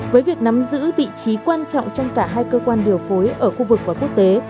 với việc nắm giữ vị trí quan trọng trong cả hai cơ quan điều phối ở khu vực và quốc tế